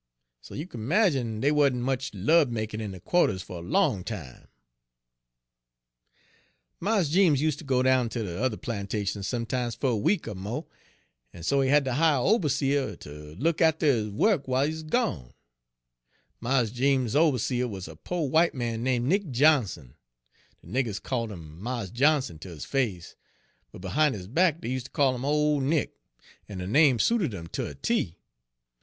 So you kin 'magine dey wa'n't much lub makin' in de qua'ters fer a long time. "Mars Jeems useter go down ter de yuther plantation sometimes fer a week er mo', en so he had ter hate a oberseah ter look atter his wuk w'iles he 'uz gone. Mars Jeems's oberseah wuz a po' w'ite man name' Nick Johnson, de niggers called 'im Mars Johnson ter his face, but behin' his back dey useter call 'im Ole Nick, en de name suited 'im ter a T.